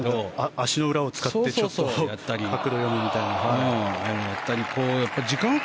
足の裏を使ってちょっと確認とか。